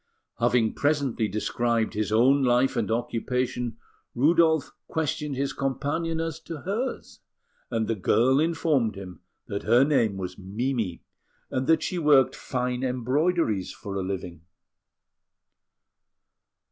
Having presently described his own life and occupation, Rudolf questioned his companion as to hers; and the girl informed him that her name was Mimi, and that she worked fine embroideries for a living.